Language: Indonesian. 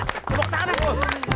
temuk tangan aku